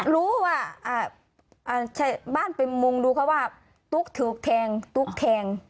รู้ว่าชาวบ้านไปมุงดูเขาว่าตุ๊กถูกแทงตุ๊กแทง